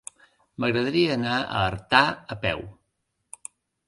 M'agradaria anar a Artà a peu.